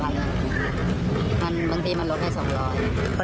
บางทีมันลดให้๒๐๐บาท